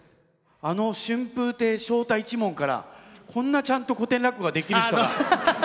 あの春風亭昇太一門からこんなちゃんと古典落語ができる人が。